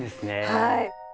はい。